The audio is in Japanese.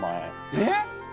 えっ！？